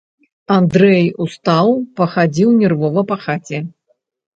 Андрэй устаў, пахадзіў нервова па хаце.